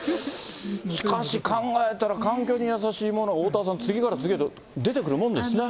しかし考えたら環境に優しいもの、おおたわさん、次から次へと出てくるもんですね。